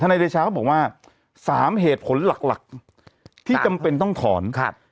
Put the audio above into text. นายเดชาก็บอกว่า๓เหตุผลหลักที่จำเป็นต้องถอน